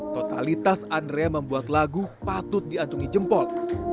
totalitas andrea membuat lagu patut diantungi jempol